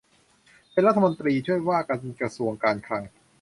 เป็นรัฐมนตรีช่วยว่าการกระทรวงการคลัง